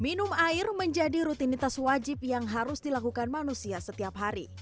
minum air menjadi rutinitas wajib yang harus dilakukan manusia setiap hari